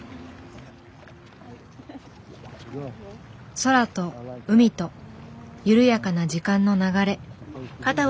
空と海と緩やかな時間の流れ。